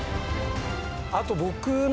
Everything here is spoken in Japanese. あと僕の。